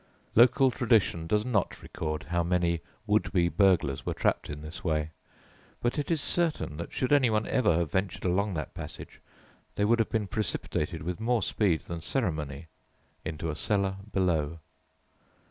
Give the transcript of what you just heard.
Local tradition does not record how many would be burglars were trapped in this way, but it is certain that should anyone ever have ventured along that passage, they would have been precipitated with more speed than ceremony into a cellar below.